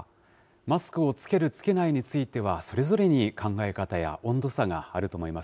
マスクを着ける、着けないについては、それぞれに考え方や温度差があると思います。